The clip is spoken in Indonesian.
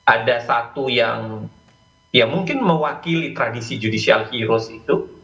ada satu yang ya mungkin mewakili tradisi judicial heroes itu